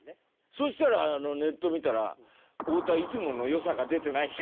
そしたらネット見たら「太田いつもの良さが出てない」って。